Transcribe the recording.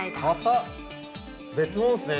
別物ですね